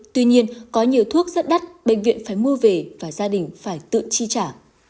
tuy nhiên có nhiều thuốc rất đắt bệnh viện phải mua về và gia đình phải tự chi trả